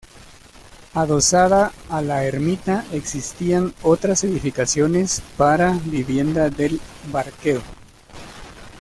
Adosada a la ermita existían otras edificaciones para vivienda del barquero.